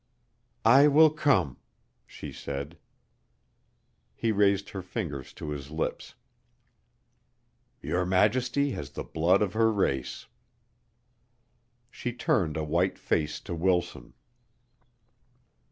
"I will come," she said. He raised her fingers to his lips. "Your Majesty has the blood of her race." She turned a white face to Wilson.